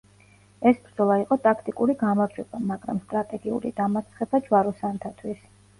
ეს ბრძოლა იყო ტაქტიკური გამარჯვება, მაგრამ სტრატეგიული დამარცხება ჯვაროსანთათვის.